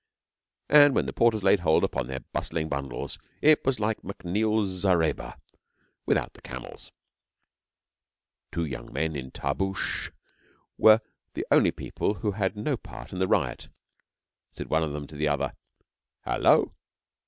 And when the porters laid hold upon their bristling bundles, it was like MacNeill's Zareba without the camels. Two young men in tarboushes were the only people who had no part in the riot. Said one of them to the other: 'Hullo?'